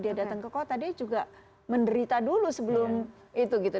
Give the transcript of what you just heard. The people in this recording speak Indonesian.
dia datang ke kota dia juga menderita dulu sebelum itu gitu